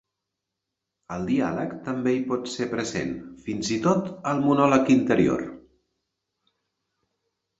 El diàleg també hi pot ser present, fins i tot el monòleg interior.